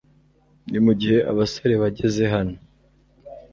Ni mugihe abasore bageze hano.